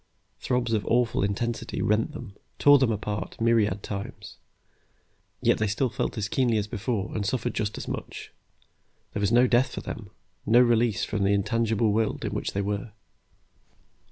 Throbs of awful intensity rent them, tore them apart myriad times, yet they still felt as keenly as before and suffered just as much. There was no death for them, no release from the intangible world in which they were.